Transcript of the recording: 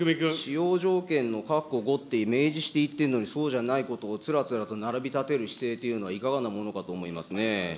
使用条件のかっこ５と明示して言ってるのに、そうじゃないことをつらつらと並びたてる姿勢というのは、いかがなものかと思いますね。